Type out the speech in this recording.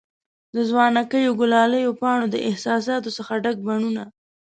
د ځوانکیو، ګلالیو پانو د احساساتو څخه ډک بڼوڼه